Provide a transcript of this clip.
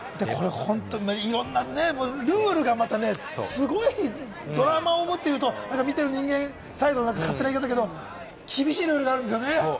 またルールがすごいドラマを持っていると見てる人間、最後勝手な言い方だけれども、厳しいルールがあるんですよね。